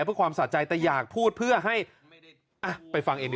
เพื่อความสะใจแต่อยากพูดเพื่อให้ไปฟังเอง